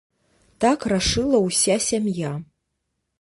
Так рашыла ўся сям'я.